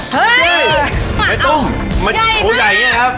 เฮ้ยไอ้ต้มมันหมูใหญ่อย่างนี้ครับ